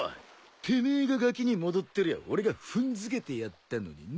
てめえががきに戻ってりゃ俺が踏んづけてやったのにな。